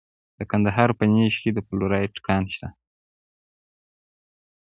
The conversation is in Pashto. د کندهار په نیش کې د فلورایټ کان شته.